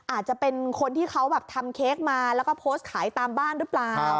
อาจจะเป็นคนที่เขาแบบทำเค้กมาแล้วก็โพสต์ขายตามบ้านหรือเปล่า